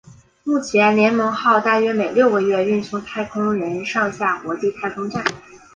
目前联盟号大约每六个月运送太空人上下国际太空站。